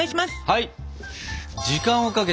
はい！